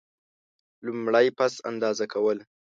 لومړی: پس انداز کول.